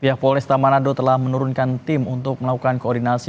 pihak polresta manado telah menurunkan tim untuk melakukan koordinasi